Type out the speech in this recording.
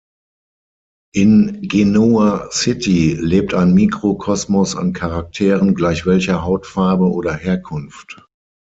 In Genoa City lebt ein Mikrokosmos an Charakteren gleich welcher Hautfarbe oder Herkunft.